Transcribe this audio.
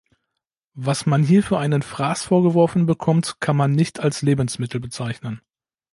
Was man hier für einen Fraß vorgeworfen bekommt, kann man nicht als Lebensmittel bezeichnen.